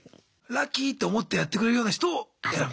ラッキーって思ってやってくれるような人を選ぶ。